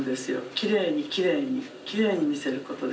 きれいにきれいにきれいに見せることで。